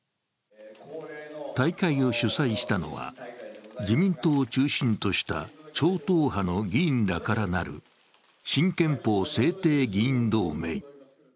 大会を主催したのは自民党を中心とした超党派の議員らからなる新憲法制定議員同盟。